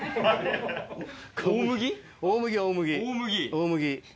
大麦！